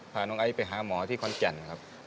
พาน้องไอ้ไปหาหมอที่คอนจันทร์ครับ